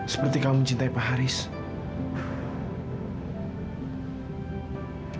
seperti kamu mencintai pak haris